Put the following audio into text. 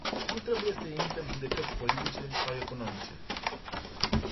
Nu trebuie să emitem judecăți politice sau economice.